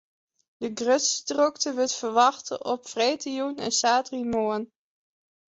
De grutste drokte wurdt ferwachte op freedtejûn en saterdeitemoarn.